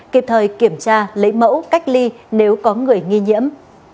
kịp thời kiểm tra lấy mẫu cách ly nếu có người nghi nhiễm